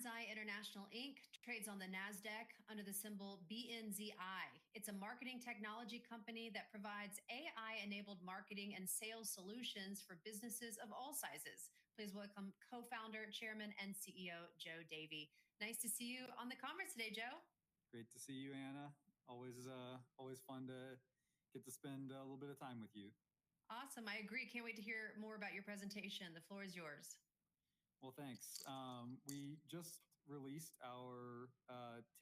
Banzai International Inc. trades on the NASDAQ under the symbol BNZI. It's a marketing technology company that provides AI-enabled marketing and sales solutions for businesses of all sizes. Please welcome co-founder, chairman, and CEO Joe Davy. Nice to see you on the conference today, Joe. Great to see you, Anna. Always fun to get to spend a little bit of time with you. Awesome. I agree. Can't wait to hear more about your presentation. The floor is yours. Thanks. We just released our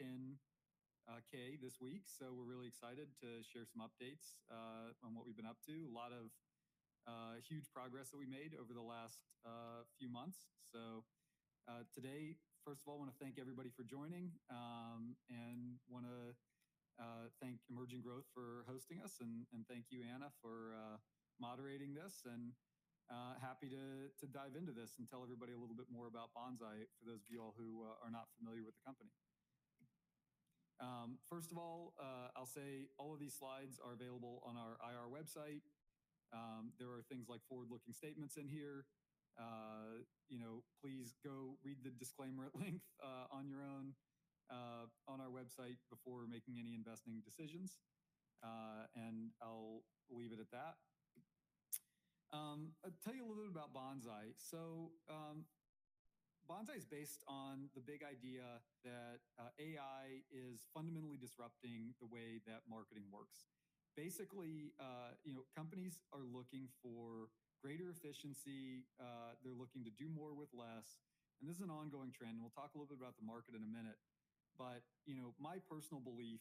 10K this week, so we're really excited to share some updates on what we've been up to, a lot of huge progress that we made over the last few months. Today, first of all, I want to thank everybody for joining, and I want to thank Emerging Growth for hosting us, and thank you, Anna, for moderating this. Happy to dive into this and tell everybody a little bit more about Banzai for those of you all who are not familiar with the company. First of all, I'll say all of these slides are available on our IR website. There are things like forward-looking statements in here. Please go read the disclaimer at length on your own on our website before making any investing decisions. I'll leave it at that. I'll tell you a little bit about Banzai. Banzai is based on the big idea that AI is fundamentally disrupting the way that marketing works. Basically, companies are looking for greater efficiency. They're looking to do more with less. This is an ongoing trend. We'll talk a little bit about the market in a minute. My personal belief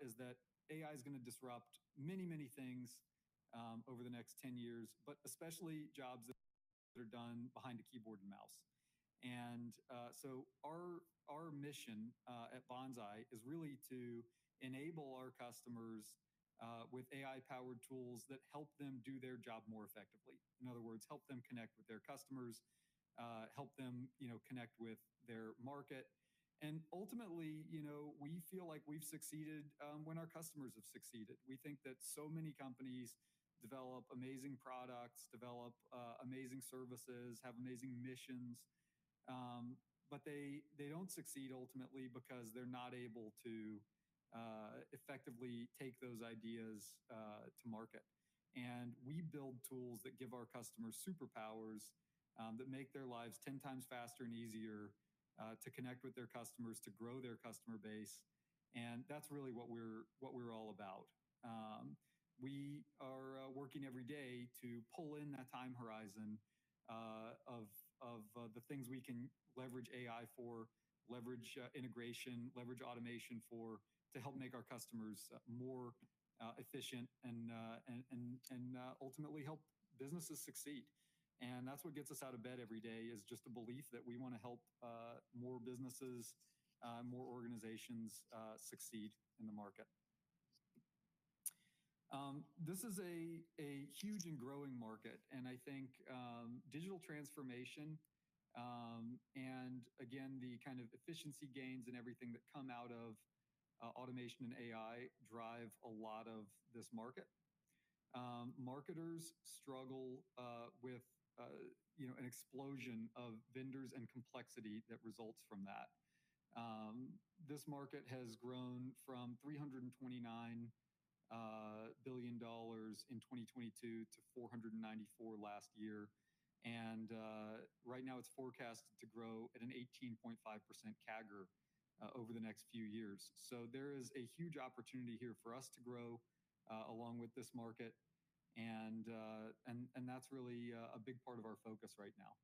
is that AI is going to disrupt many, many things over the next 10 years, but especially jobs that are done behind a keyboard and mouse. Our mission at Banzai is really to enable our customers with AI-powered tools that help them do their job more effectively. In other words, help them connect with their customers, help them connect with their market. Ultimately, we feel like we've succeeded when our customers have succeeded. We think that so many companies develop amazing products, develop amazing services, have amazing missions, but they do not succeed ultimately because they are not able to effectively take those ideas to market. We build tools that give our customers superpowers that make their lives 10 times faster and easier to connect with their customers, to grow their customer base. That is really what we are all about. We are working every day to pull in that time horizon of the things we can leverage AI for, leverage integration, leverage automation for, to help make our customers more efficient and ultimately help businesses succeed. That is what gets us out of bed every day, just a belief that we want to help more businesses, more organizations succeed in the market. This is a huge and growing market. I think digital transformation and, again, the kind of efficiency gains and everything that come out of automation and AI drive a lot of this market. Marketers struggle with an explosion of vendors and complexity that results from that. This market has grown from $329 billion in 2022 to $494 last year. Right now, it's forecast to grow at an 18.5% CAGR over the next few years. There is a huge opportunity here for us to grow along with this market. That's really a big part of our focus right now.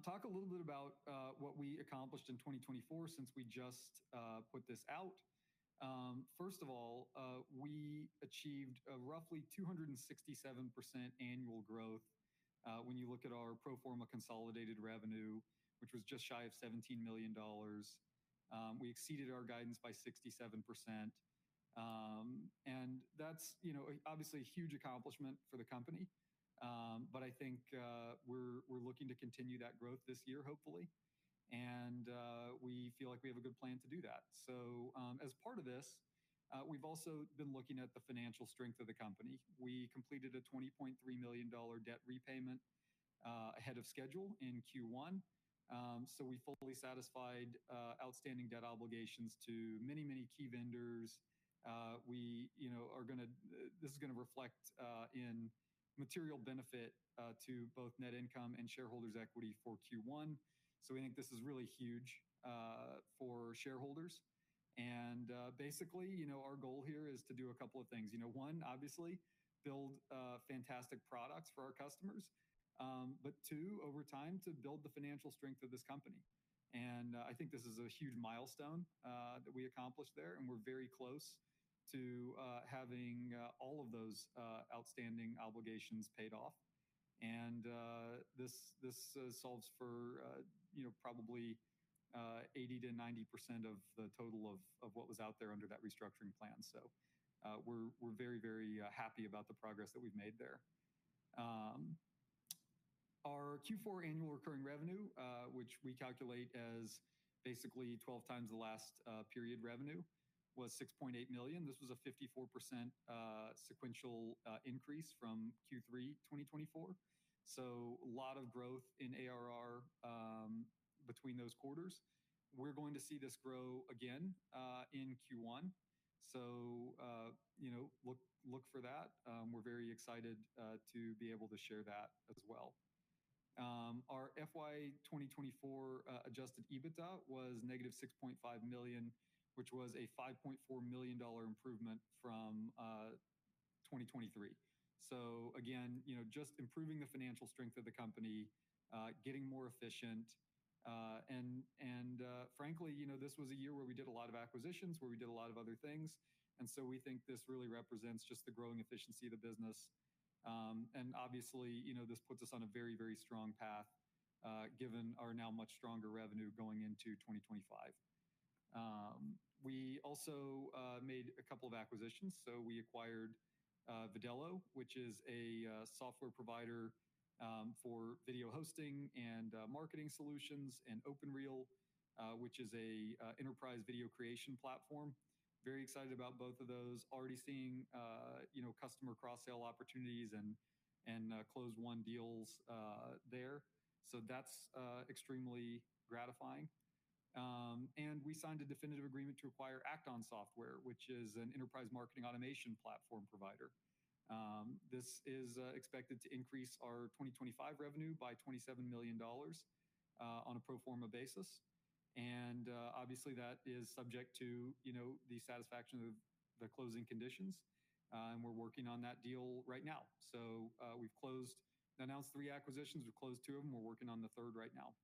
Talk a little bit about what we accomplished in 2024 since we just put this out. First of all, we achieved a roughly 267% annual growth. When you look at our pro forma consolidated revenue, which was just shy of $17 million, we exceeded our guidance by 67%. That is obviously a huge accomplishment for the company. I think we are looking to continue that growth this year, hopefully. We feel like we have a good plan to do that. As part of this, we have also been looking at the financial strength of the company. We completed a $20.3 million debt repayment ahead of schedule in Q1. We fully satisfied outstanding debt obligations to many, many key vendors. This is going to reflect in material benefit to both net income and shareholders' equity for Q1. We think this is really huge for shareholders. Basically, our goal here is to do a couple of things. One, obviously, build fantastic products for our customers. Two, over time, build the financial strength of this company. I think this is a huge milestone that we accomplished there. We're very close to having all of those outstanding obligations paid off. This solves for probably 80%-90% of the total of what was out there under that restructuring plan. We're very, very happy about the progress that we've made there. Our Q4 annual recurring revenue, which we calculate as basically 12 times the last period revenue, was $6.8 million. This was a 54% sequential increase from Q3 2024. A lot of growth in ARR between those quarters. We're going to see this grow again in Q1. Look for that. We're very excited to be able to share that as well. Our FY 2024 adjusted EBITDA was negative $6.5 million, which was a $5.4 million improvement from 2023. Again, just improving the financial strength of the company, getting more efficient. Frankly, this was a year where we did a lot of acquisitions, where we did a lot of other things. We think this really represents just the growing efficiency of the business. Obviously, this puts us on a very, very strong path given our now much stronger revenue going into 2025. We also made a couple of acquisitions. We acquired Viddello, which is a software provider for video hosting and marketing solutions, and OpenReel, which is an enterprise video creation platform. Very excited about both of those. Already seeing customer cross-sale opportunities and close one deals there. That is extremely gratifying. We signed a definitive agreement to acquire Act-On Software, which is an enterprise marketing automation platform provider. This is expected to increase our 2025 revenue by $27 million on a pro forma basis. Obviously, that is subject to the satisfaction of the closing conditions. We're working on that deal right now. We have announced three acquisitions. We have closed two of them. We're working on the third right now.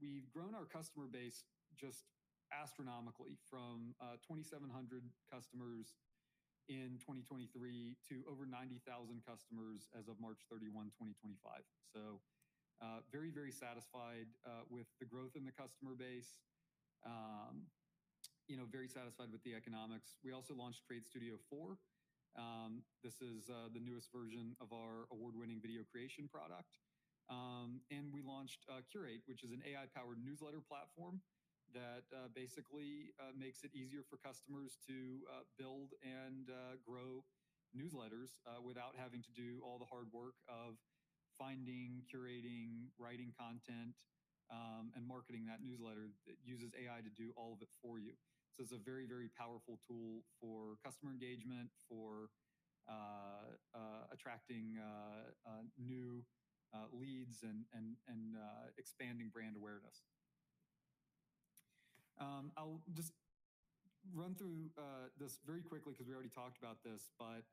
We have grown our customer base just astronomically from 2,700 customers in 2023 to over 90,000 customers as of March 31, 2025. Very, very satisfied with the growth in the customer base. Very satisfied with the economics. We also launched Trade Studio 4. This is the newest version of our award-winning video creation product. We launched Curate, which is an AI-powered newsletter platform that basically makes it easier for customers to build and grow newsletters without having to do all the hard work of finding, curating, writing content, and marketing that newsletter that uses AI to do all of it for you. It's a very, very powerful tool for customer engagement, for attracting new leads and expanding brand awareness. I'll just run through this very quickly because we already talked about this, but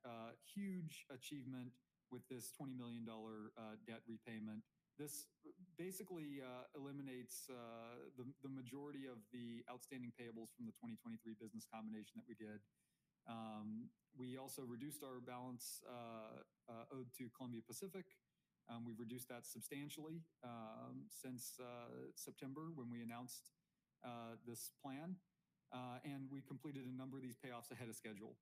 huge achievement with this $20 million debt repayment. This basically eliminates the majority of the outstanding payables from the 2023 business combination that we did. We also reduced our balance owed to Columbia Pacific. We've reduced that substantially since September when we announced this plan. We completed a number of these payoffs ahead of schedule,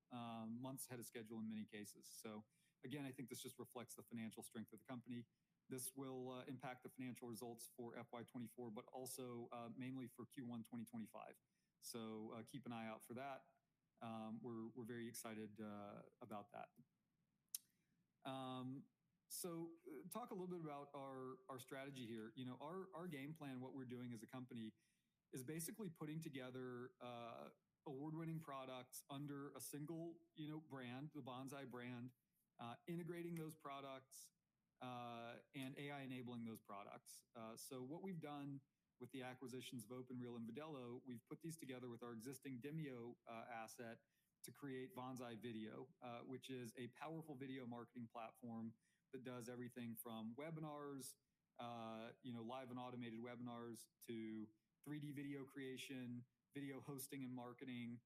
months ahead of schedule in many cases. I think this just reflects the financial strength of the company. This will impact the financial results for FY 2024, but also mainly for Q1 2025. Keep an eye out for that. We're very excited about that. Talk a little bit about our strategy here. Our game plan, what we're doing as a company, is basically putting together award-winning products under a single brand, the Banzai brand, integrating those products and AI-enabling those products. What we've done with the acquisitions of OpenReel and Viddello, we've put these together with our existing Demio asset to create Banzai Video, which is a powerful video marketing platform that does everything from webinars, live and automated webinars, to 3D video creation, video hosting and marketing,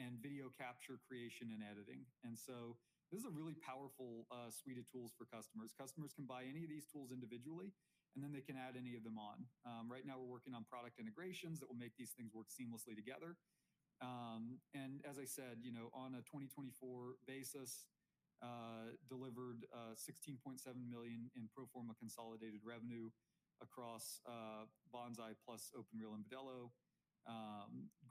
and video capture creation and editing. This is a really powerful suite of tools for customers. Customers can buy any of these tools individually, and then they can add any of them on. Right now, we're working on product integrations that will make these things work seamlessly together. As I said, on a 2024 basis, delivered $16.7 million in pro forma consolidated revenue across Banzai plus OpenReel and Viddello.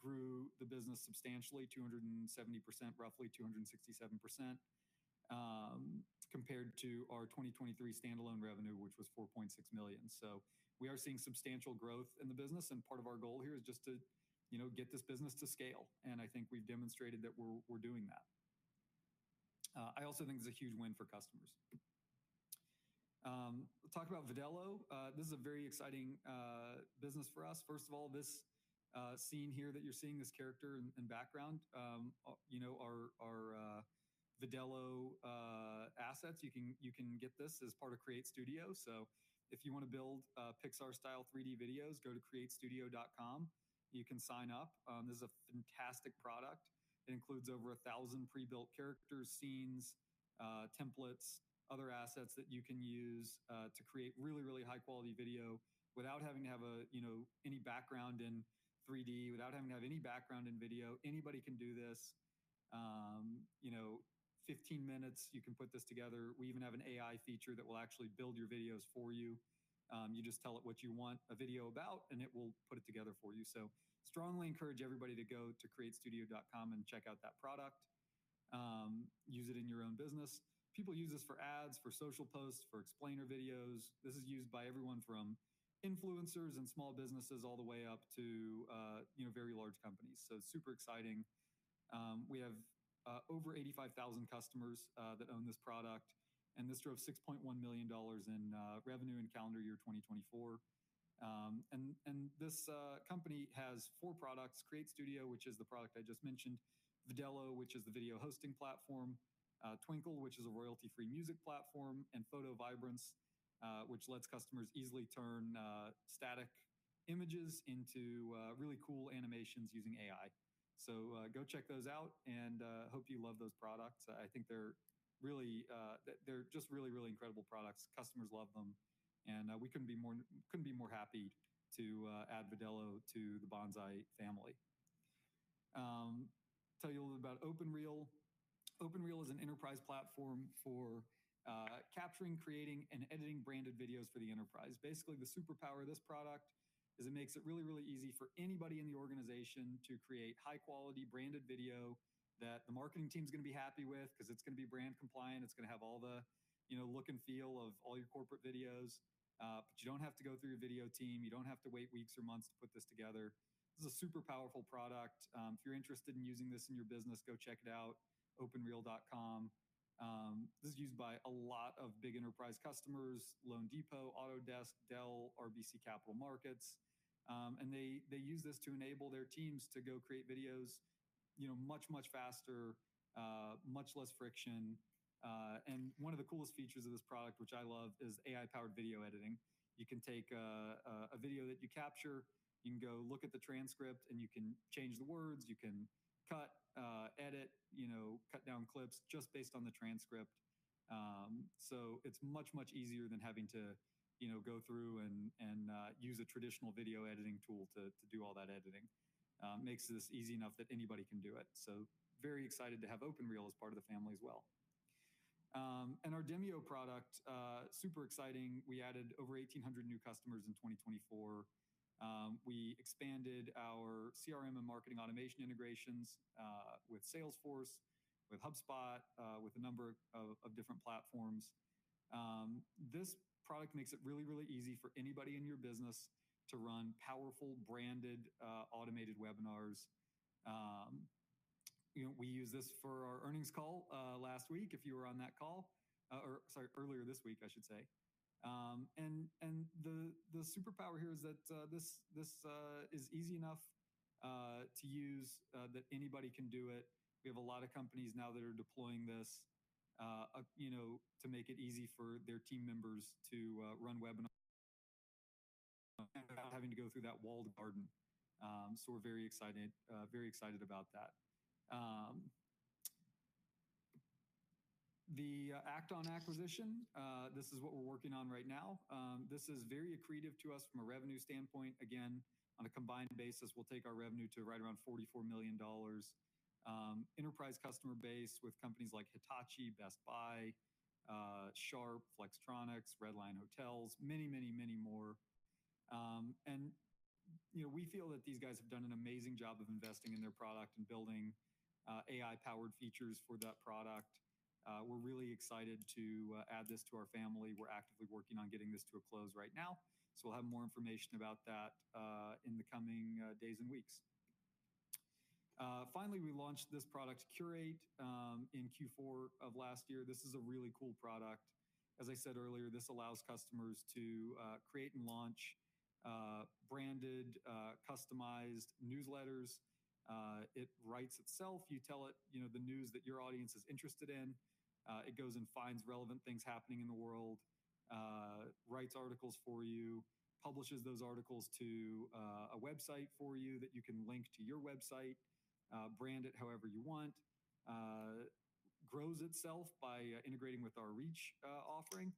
Grew the business substantially, 270%, roughly 267%, compared to our 2023 standalone revenue, which was $4.6 million. We are seeing substantial growth in the business. Part of our goal here is just to get this business to scale. I think we've demonstrated that we're doing that. I also think it's a huge win for customers. Talk about Viddello. This is a very exciting business for us. First of all, this scene here that you're seeing, this character in background, are Viddello assets. You can get this as part of Create Studio. If you want to build Pixar-style 3D videos, go to createstudio.com. You can sign up. This is a fantastic product. It includes over 1,000 pre-built characters, scenes, templates, other assets that you can use to create really, really high-quality video without having to have any background in 3D, without having to have any background in video. Anybody can do this. In 15 minutes, you can put this together. We even have an AI feature that will actually build your videos for you. You just tell it what you want a video about, and it will put it together for you. I strongly encourage everybody to go to createstudio.com and check out that product. Use it in your own business. People use this for ads, for social posts, for explainer videos. This is used by everyone from influencers and small businesses all the way up to very large companies. It is super exciting. We have over 85,000 customers that own this product. This drove $6.1 million in revenue in calendar year 2024. This company has four products: Create Studio, which is the product I just mentioned; Viddello, which is the video hosting platform; Twinkle, which is a royalty-free music platform; and Photo Vibrance, which lets customers easily turn static images into really cool animations using AI. Go check those out. I hope you love those products. I think they're just really, really incredible products. Customers love them. We couldn't be more happy to add Viddello to the Banzai family. Tell you a little bit about OpenReel. OpenReel is an enterprise platform for capturing, creating, and editing branded videos for the enterprise. Basically, the superpower of this product is it makes it really, really easy for anybody in the organization to create high-quality branded video that the marketing team is going to be happy with because it's going to be brand compliant. It's going to have all the look and feel of all your corporate videos. You don't have to go through your video team. You don't have to wait weeks or months to put this together. This is a super powerful product. If you're interested in using this in your business, go check it out: openreel.com. This is used by a lot of big enterprise customers: LoanDepot, Autodesk, Dell, RBC Capital Markets. They use this to enable their teams to go create videos much, much faster, much less friction. One of the coolest features of this product, which I love, is AI-powered video editing. You can take a video that you capture. You can go look at the transcript, and you can change the words. You can cut, edit, cut down clips just based on the transcript. It is much, much easier than having to go through and use a traditional video editing tool to do all that editing. It makes this easy enough that anybody can do it. I am very excited to have OpenReel as part of the family as well. Our Demio product is super exciting. We added over 1,800 new customers in 2024. We expanded our CRM and marketing automation integrations with Salesforce, with HubSpot, with a number of different platforms. This product makes it really, really easy for anybody in your business to run powerful, branded, automated webinars. We used this for our earnings call last week if you were on that call, or sorry, earlier this week, I should say. The superpower here is that this is easy enough to use that anybody can do it. We have a lot of companies now that are deploying this to make it easy for their team members to run webinars without having to go through that walled garden. We are very excited about that. The Act-On acquisition, this is what we are working on right now. This is very accretive to us from a revenue standpoint. Again, on a combined basis, we will take our revenue to right around $44 million. Enterprise customer base with companies like Hitachi, Best Buy, Sharp, Flextronics, Redline Hotels, many, many, many more. We feel that these guys have done an amazing job of investing in their product and building AI-powered features for that product. We are really excited to add this to our family. We are actively working on getting this to a close right now. We will have more information about that in the coming days and weeks. Finally, we launched this product, Curate, in Q4 of last year. This is a really cool product. As I said earlier, this allows customers to create and launch branded, customized newsletters. It writes itself. You tell it the news that your audience is interested in. It goes and finds relevant things happening in the world, writes articles for you, publishes those articles to a website for you that you can link to your website, brand it however you want, grows itself by integrating with our Reach offering,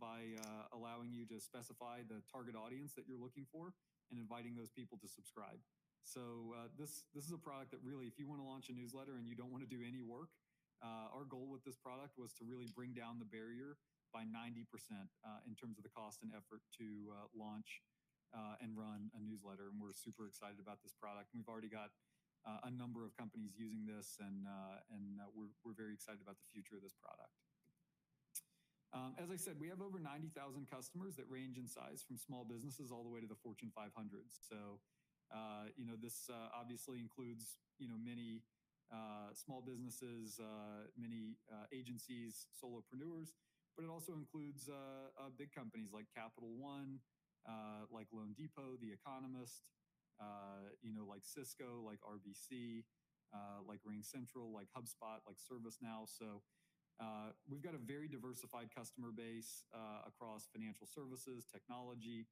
by allowing you to specify the target audience that you are looking for and inviting those people to subscribe. This is a product that really, if you want to launch a newsletter and you don't want to do any work, our goal with this product was to really bring down the barrier by 90% in terms of the cost and effort to launch and run a newsletter. We're super excited about this product. We've already got a number of companies using this, and we're very excited about the future of this product. As I said, we have over 90,000 customers that range in size from small businesses all the way to the Fortune 500. This obviously includes many small businesses, many agencies, solopreneurs, but it also includes big companies like Capital One, like LoanDepot, The Economist, like Cisco, like RBC, like RingCentral, like HubSpot, like ServiceNow. We've got a very diversified customer base across financial services, technology,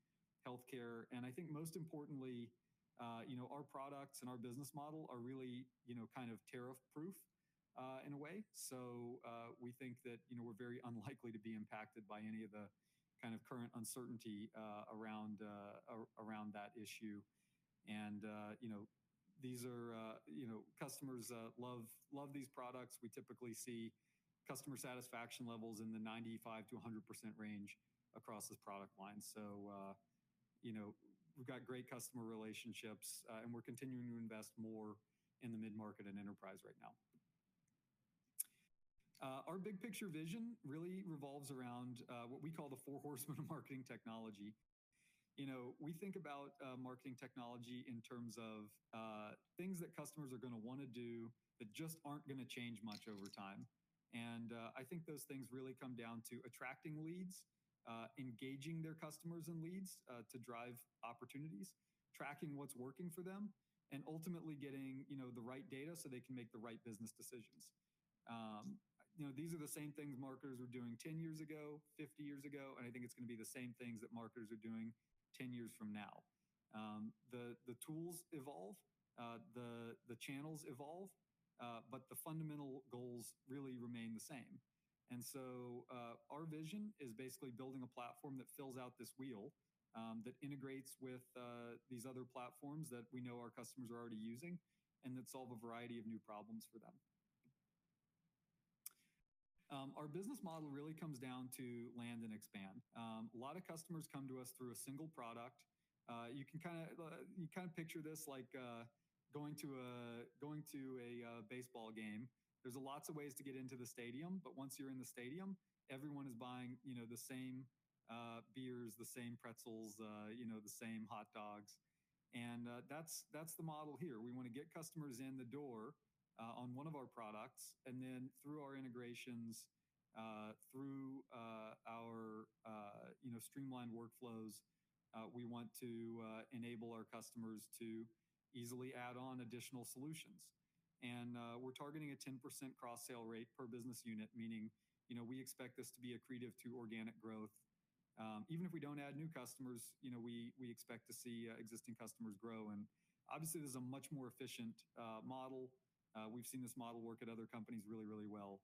healthcare. I think most importantly, our products and our business model are really kind of tariff-proof in a way. We think that we're very unlikely to be impacted by any of the kind of current uncertainty around that issue. These are customers love these products. We typically see customer satisfaction levels in the 95%-100% range across this product line. We've got great customer relationships, and we're continuing to invest more in the mid-market and enterprise right now. Our big picture vision really revolves around what we call the four horsemen of marketing technology. We think about marketing technology in terms of things that customers are going to want to do that just aren't going to change much over time. I think those things really come down to attracting leads, engaging their customers and leads to drive opportunities, tracking what's working for them, and ultimately getting the right data so they can make the right business decisions. These are the same things marketers were doing 10 years ago, 50 years ago, and I think it's going to be the same things that marketers are doing 10 years from now. The tools evolve, the channels evolve, but the fundamental goals really remain the same. Our vision is basically building a platform that fills out this wheel, that integrates with these other platforms that we know our customers are already using, and that solve a variety of new problems for them. Our business model really comes down to land and expand. A lot of customers come to us through a single product. You can kind of picture this like going to a baseball game. There are lots of ways to get into the stadium, but once you're in the stadium, everyone is buying the same beers, the same pretzels, the same hot dogs. That's the model here. We want to get customers in the door on one of our products, and then through our integrations, through our streamlined workflows, we want to enable our customers to easily add on additional solutions. We're targeting a 10% cross-sale rate per business unit, meaning we expect this to be accretive to organic growth. Even if we don't add new customers, we expect to see existing customers grow. Obviously, this is a much more efficient model. We've seen this model work at other companies really, really well.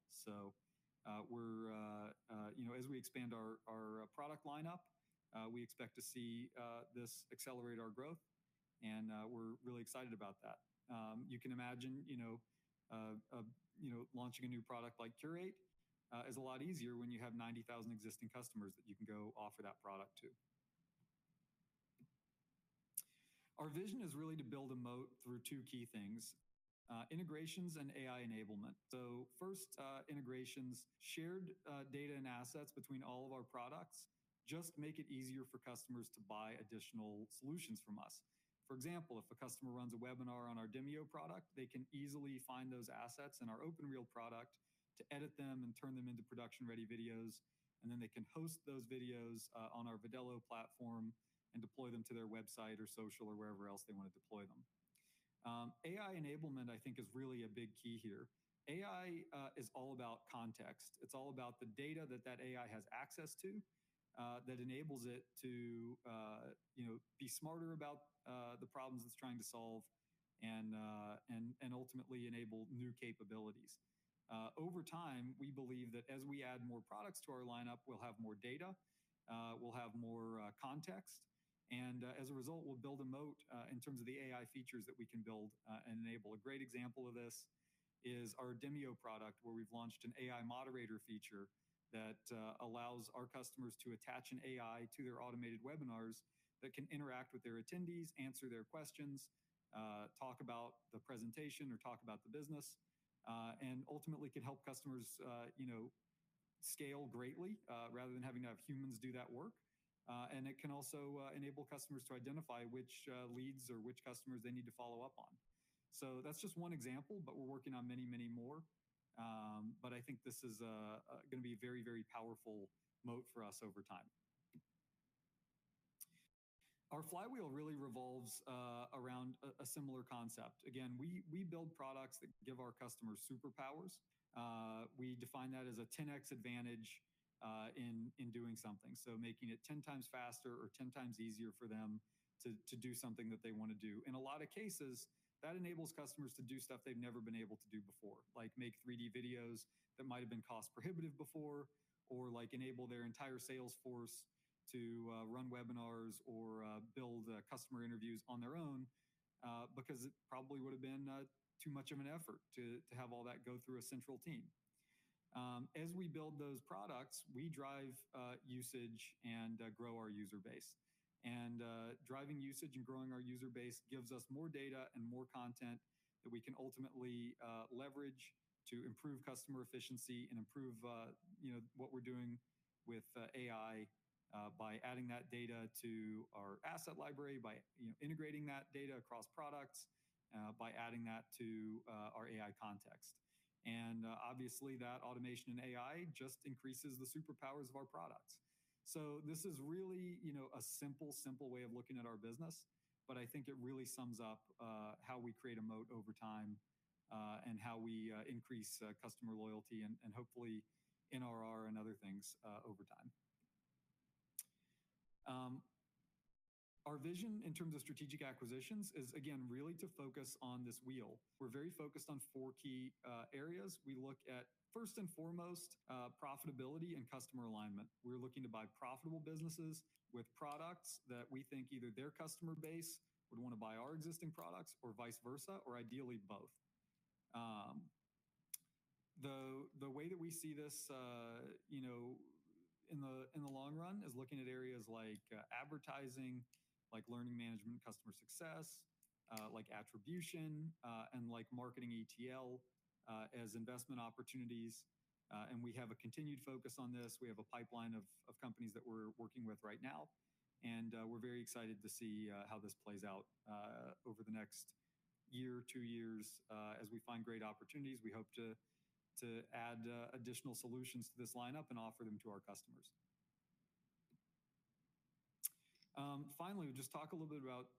As we expand our product lineup, we expect to see this accelerate our growth, and we're really excited about that. You can imagine launching a new product like Curate is a lot easier when you have 90,000 existing customers that you can go offer that product to. Our vision is really to build a moat through two key things: integrations and AI enablement. First, integrations. Shared data and assets between all of our products just make it easier for customers to buy additional solutions from us. For example, if a customer runs a webinar on our Demio product, they can easily find those assets in our OpenReel product to edit them and turn them into production-ready videos, and then they can host those videos on our Viddello platform and deploy them to their website or social or wherever else they want to deploy them. AI enablement, I think, is really a big key here. AI is all about context. It's all about the data that that AI has access to that enables it to be smarter about the problems it's trying to solve and ultimately enable new capabilities. Over time, we believe that as we add more products to our lineup, we'll have more data, we'll have more context, and as a result, we'll build a moat in terms of the AI features that we can build and enable. A great example of this is our Demio product, where we've launched an AI moderator feature that allows our customers to attach an AI to their automated webinars that can interact with their attendees, answer their questions, talk about the presentation or talk about the business, and ultimately could help customers scale greatly rather than having to have humans do that work. It can also enable customers to identify which leads or which customers they need to follow up on. That is just one example, but we are working on many, many more. I think this is going to be a very, very powerful moat for us over time. Our flywheel really revolves around a similar concept. Again, we build products that give our customers superpowers. We define that as a 10x advantage in doing something, so making it 10 times faster or 10 times easier for them to do something that they want to do. In a lot of cases, that enables customers to do stuff they've never been able to do before, like make 3D videos that might have been cost-prohibitive before or enable their entire sales force to run webinars or build customer interviews on their own because it probably would have been too much of an effort to have all that go through a central team. As we build those products, we drive usage and grow our user base. Driving usage and growing our user base gives us more data and more content that we can ultimately leverage to improve customer efficiency and improve what we're doing with AI by adding that data to our asset library, by integrating that data across products, by adding that to our AI context. Obviously, that automation and AI just increases the superpowers of our products. This is really a simple, simple way of looking at our business, but I think it really sums up how we create a moat over time and how we increase customer loyalty and hopefully NRR and other things over time. Our vision in terms of strategic acquisitions is, again, really to focus on this wheel. We're very focused on four key areas. We look at, first and foremost, profitability and customer alignment. We're looking to buy profitable businesses with products that we think either their customer base would want to buy our existing products or vice versa, or ideally both. The way that we see this in the long run is looking at areas like advertising, like learning management, customer success, like attribution, and like marketing ETL as investment opportunities. We have a continued focus on this. We have a pipeline of companies that we're working with right now, and we're very excited to see how this plays out over the next year, two years as we find great opportunities. We hope to add additional solutions to this lineup and offer them to our customers. Finally, we'll just talk a little bit about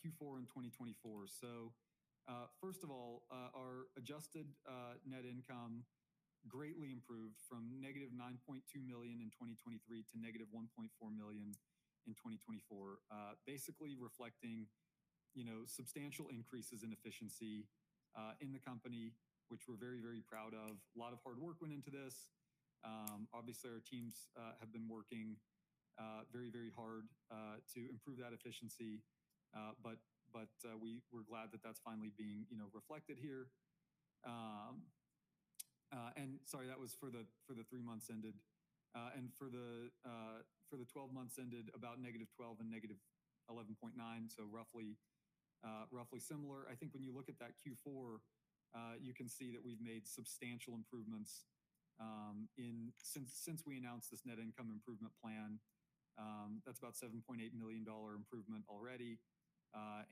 Q4 in 2024. First of all, our adjusted net income greatly improved from negative $9.2 million in 2023 to negative $1.4 million in 2024, basically reflecting substantial increases in efficiency in the company, which we're very, very proud of. A lot of hard work went into this. Obviously, our teams have been working very, very hard to improve that efficiency, but we're glad that that's finally being reflected here. Sorry, that was for the three months ended. For the 12 months ended, about negative $12 million and negative $11.9 million, so roughly similar. I think when you look at that Q4, you can see that we've made substantial improvements since we announced this net income improvement plan. That's about a $7.8 million improvement already,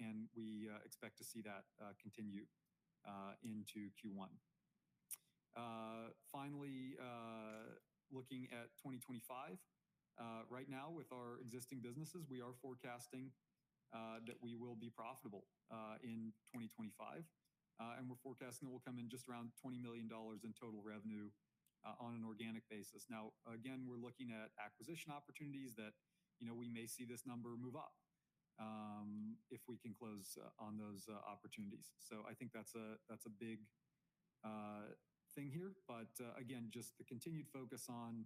and we expect to see that continue into Q1. Finally, looking at 2025, right now with our existing businesses, we are forecasting that we will be profitable in 2025, and we're forecasting that we'll come in just around $20 million in total revenue on an organic basis. Now, again, we're looking at acquisition opportunities that we may see this number move up if we can close on those opportunities. I think that's a big thing here, but again, just the continued focus on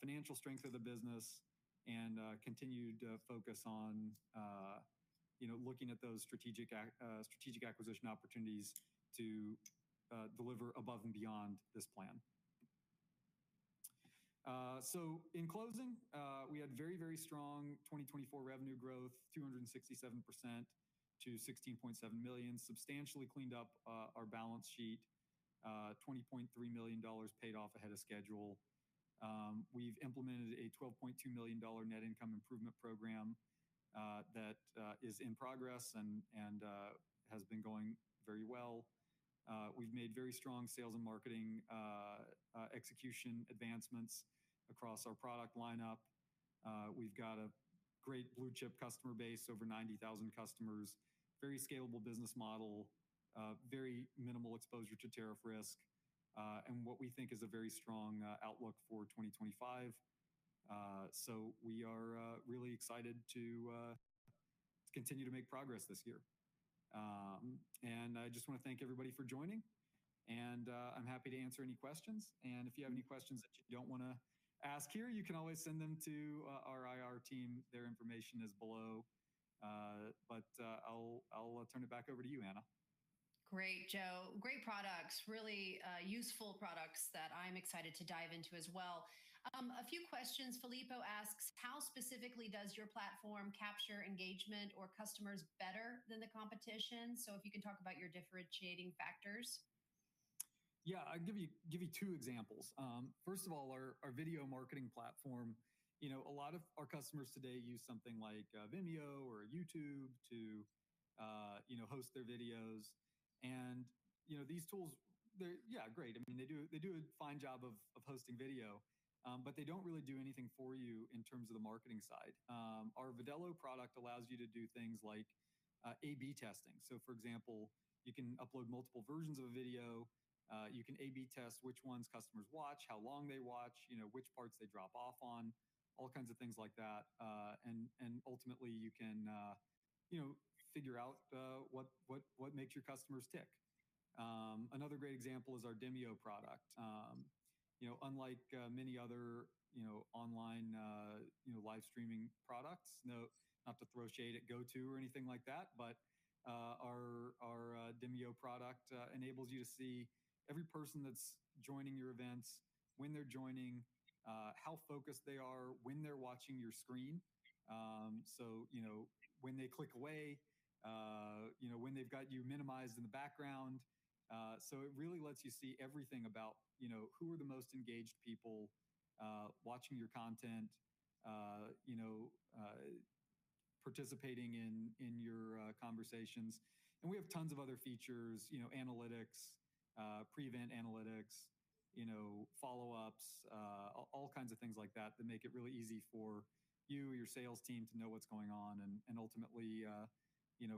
financial strength of the business and continued focus on looking at those strategic acquisition opportunities to deliver above and beyond this plan. In closing, we had very, very strong 2024 revenue growth, 267% to $16.7 million, substantially cleaned up our balance sheet, $20.3 million paid off ahead of schedule. We have implemented a $12.2 million net income improvement program that is in progress and has been going very well. We have made very strong sales and marketing execution advancements across our product lineup. We have got a great blue chip customer base, over 90,000 customers, very scalable business model, very minimal exposure to tariff risk, and what we think is a very strong outlook for 2025. We are really excited to continue to make progress this year. I just want to thank everybody for joining, and I am happy to answer any questions. If you have any questions that you do not want to ask here, you can always send them to our IR team. Their information is below, but I'll turn it back over to you, Anna. Great, Joe. Great products, really useful products that I'm excited to dive into as well. A few questions. Filippo asks, how specifically does your platform capture engagement or customers better than the competition? If you can talk about your differentiating factors. Yeah, I'll give you two examples. First of all, our video marketing platform, a lot of our customers today use something like Vimeo or YouTube to host their videos. These tools, yeah, great. I mean, they do a fine job of hosting video, but they don't really do anything for you in terms of the marketing side. Our Viddello product allows you to do things like A/B testing. For example, you can upload multiple versions of a video. You can A/B test which ones customers watch, how long they watch, which parts they drop off on, all kinds of things like that. Ultimately, you can figure out what makes your customers tick. Another great example is our Demio product. Unlike many other online live streaming products, not to throw shade at GoTo or anything like that, but our Demio product enables you to see every person that's joining your events, when they're joining, how focused they are, when they're watching your screen. When they click away, when they've got you minimized in the background, it really lets you see everything about who are the most engaged people watching your content, participating in your conversations. We have tons of other features, analytics, pre-event analytics, follow-ups, all kinds of things like that that make it really easy for you, your sales team to know what's going on and ultimately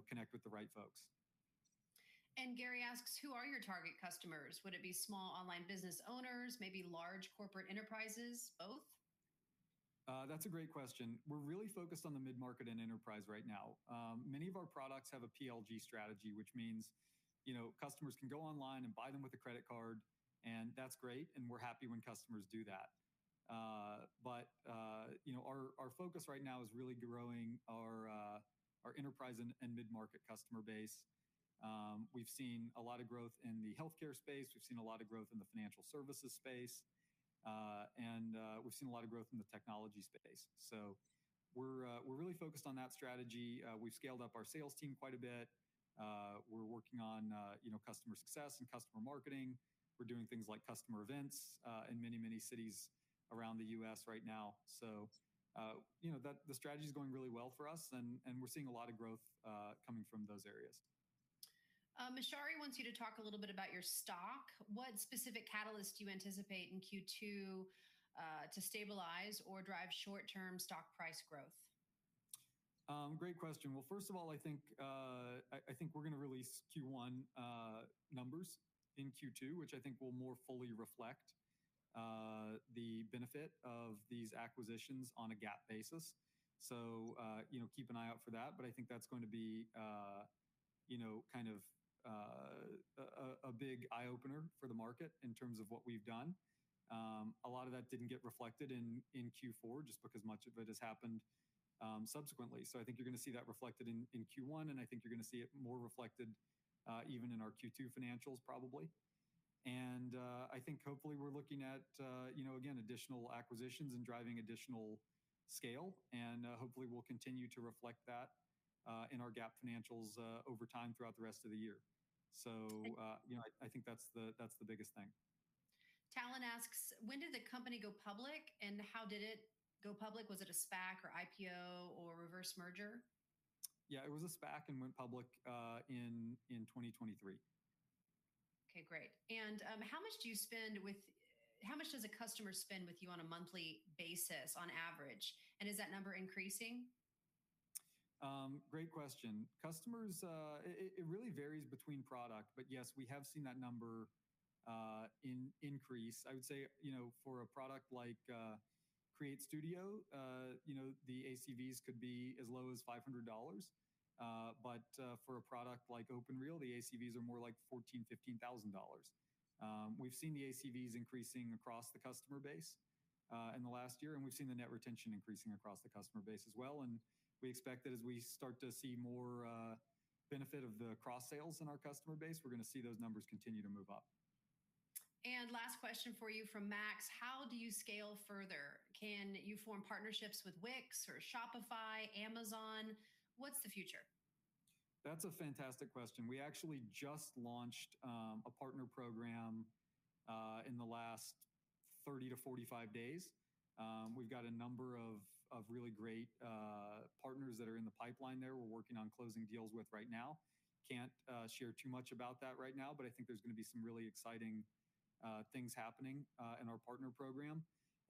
connect with the right folks. Gary asks, who are your target customers? Would it be small online business owners, maybe large corporate enterprises, both? That's a great question. We're really focused on the mid-market and enterprise right now. Many of our products have a PLG strategy, which means customers can go online and buy them with a credit card, and that's great, and we're happy when customers do that. Our focus right now is really growing our enterprise and mid-market customer base. We've seen a lot of growth in the healthcare space. We've seen a lot of growth in the financial services space, and we've seen a lot of growth in the technology space. We're really focused on that strategy. We've scaled up our sales team quite a bit. We're working on customer success and customer marketing. We're doing things like customer events in many, many cities around the U.S. right now. The strategy is going really well for us, and we're seeing a lot of growth coming from those areas. Mashari wants you to talk a little bit about your stock. What specific catalysts do you anticipate in Q2 to stabilize or drive short-term stock price growth? Great question. First of all, I think we're going to release Q1 numbers in Q2, which I think will more fully reflect the benefit of these acquisitions on a GAAP basis. Keep an eye out for that, but I think that's going to be kind of a big eye-opener for the market in terms of what we've done. A lot of that didn't get reflected in Q4 just because much of it has happened subsequently. I think you're going to see that reflected in Q1, and I think you're going to see it more reflected even in our Q2 financials probably. I think hopefully we're looking at, again, additional acquisitions and driving additional scale, and hopefully we'll continue to reflect that in our GAAP financials over time throughout the rest of the year. I think that's the biggest thing. Talon asks, when did the company go public and how did it go public? Was it a SPAC or IPO or reverse merger? Yeah, it was a SPAC and went public in 2023. Okay, great. How much do you spend with how much does a customer spend with you on a monthly basis on average, and is that number increasing? Great question. Customers, it really varies between product, but yes, we have seen that number increase. I would say for a product like Create Studio, the ACVs could be as low as $500, but for a product like OpenReel, the ACVs are more like $14,000-$15,000. We've seen the ACVs increasing across the customer base in the last year, and we've seen the net retention increasing across the customer base as well. We expect that as we start to see more benefit of the cross-sales in our customer base, we're going to see those numbers continue to move up. Last question for you from Max. How do you scale further? Can you form partnerships with Wix or Shopify, Amazon? What's the future? That's a fantastic question. We actually just launched a partner program in the last 30 to 45 days. We've got a number of really great partners that are in the pipeline that we're working on closing deals with right now. Can't share too much about that right now, but I think there's going to be some really exciting things happening in our partner program.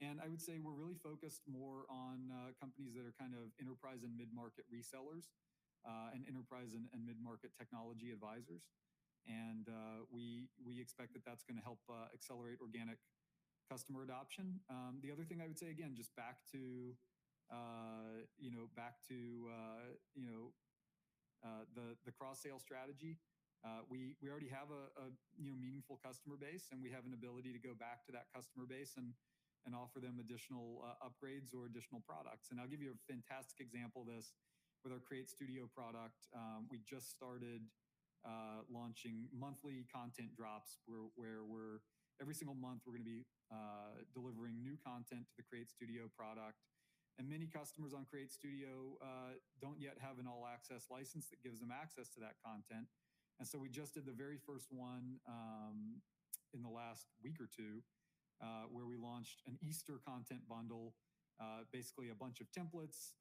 I would say we're really focused more on companies that are kind of enterprise and mid-market resellers and enterprise and mid-market technology advisors. We expect that that's going to help accelerate organic customer adoption. The other thing I would say, again, just back to the cross-sale strategy, we already have a meaningful customer base, and we have an ability to go back to that customer base and offer them additional upgrades or additional products. I'll give you a fantastic example of this with our Create Studio product. We just started launching monthly content drops where every single month we're going to be delivering new content to the Create Studio product. Many customers on Create Studio don't yet have an all-access license that gives them access to that content. We just did the very first one in the last week or two where we launched an Easter content bundle, basically a bunch of templates,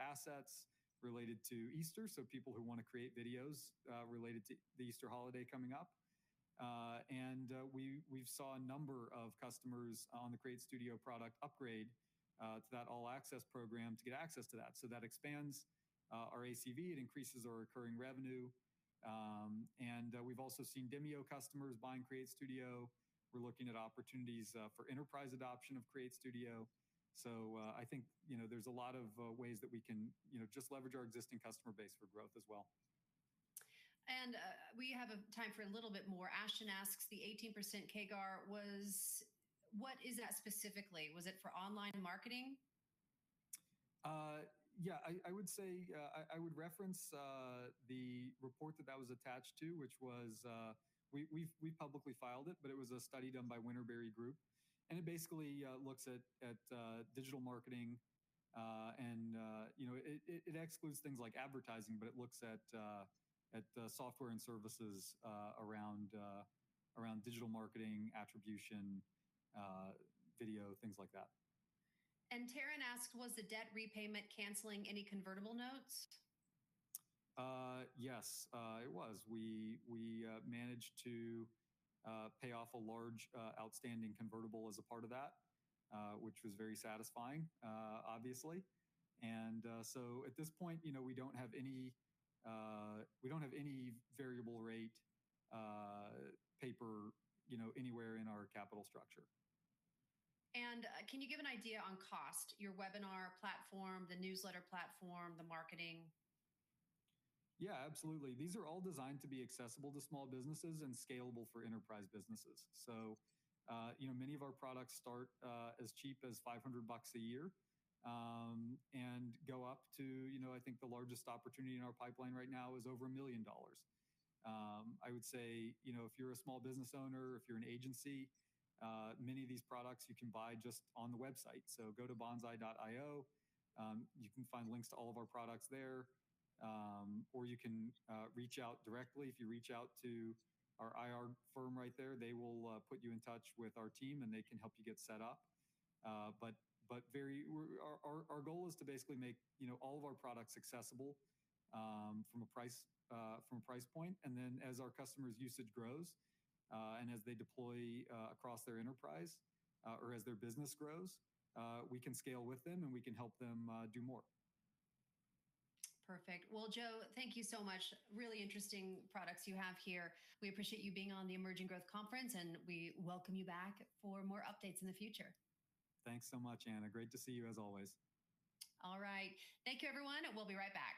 assets related to Easter, so people who want to create videos related to the Easter holiday coming up. We've seen a number of customers on the Create Studio product upgrade to that all-access program to get access to that. That expands our ACV. It increases our recurring revenue. We've also seen Demio customers buying Create Studio. We're looking at opportunities for enterprise adoption of Create Studio. I think there's a lot of ways that we can just leverage our existing customer base for growth as well. We have time for a little bit more. Ashton asks, the 18% CAGR was what is that specifically? Was it for online marketing? Yeah, I would say I would reference the report that that was attached to, which was we publicly filed it, but it was a study done by Winterberry Group. It basically looks at digital marketing, and it excludes things like advertising, but it looks at software and services around digital marketing, attribution, video, things like that. Taryn asks, was the debt repayment canceling any convertible notes? Yes, it was. We managed to pay off a large outstanding convertible as a part of that, which was very satisfying, obviously. At this point, we do not have any variable rate paper anywhere in our capital structure. Can you give an idea on cost, your webinar platform, the newsletter platform, the marketing? Yeah, absolutely. These are all designed to be accessible to small businesses and scalable for enterprise businesses. Many of our products start as cheap as $500 a year and go up to, I think the largest opportunity in our pipeline right now is over $1 million. I would say if you're a small business owner, if you're an agency, many of these products you can buy just on the website. Go to banzai.io. You can find links to all of our products there, or you can reach out directly. If you reach out to our IR firm right there, they will put you in touch with our team, and they can help you get set up. Our goal is to basically make all of our products accessible from a price point. As our customers' usage grows and as they deploy across their enterprise or as their business grows, we can scale with them and we can help them do more. Perfect. Joe, thank you so much. Really interesting products you have here. We appreciate you being on the Emerging Growth Conference, and we welcome you back for more updates in the future. Thanks so much, Anna. Great to see you as always. All right. Thank you, everyone. We'll be right back.